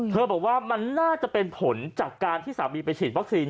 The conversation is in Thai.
บอกว่ามันน่าจะเป็นผลจากการที่สามีไปฉีดวัคซีน